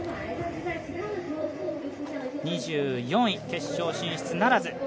２４位、決勝進出ならず。